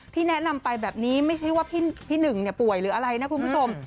แนะนำไปแบบนี้ไม่ใช่ว่าพี่หนึ่งป่วยหรืออะไรนะคุณผู้ชม